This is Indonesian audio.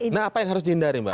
nah apa yang harus dihindari mbak